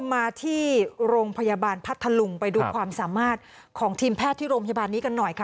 มาที่โรงพยาบาลพัทธลุงไปดูความสามารถของทีมแพทย์ที่โรงพยาบาลนี้กันหน่อยค่ะ